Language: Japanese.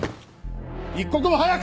一刻も早く！